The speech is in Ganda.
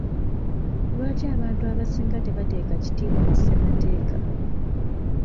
Lwaki abantu abasinga tebateeka kitiibwa mu ssemateeka?